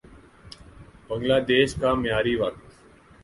بنگلہ دیش کا معیاری وقت